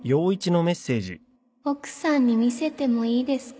奥さんに見せてもいいですか？